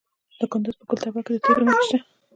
د کندز په ګل تپه کې د تیلو نښې شته.